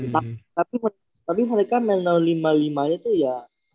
tapi mereka main lima puluh lima itu ya